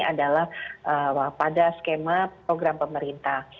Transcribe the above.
adalah pada skema program pemerintah